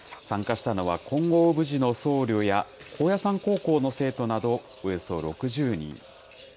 参加したのは金剛峯寺の僧侶や、高野山高校の生徒などおよそ６０人。